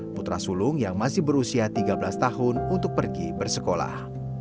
putra sulung yang masih berusia tiga belas tahun untuk pergi bersekolah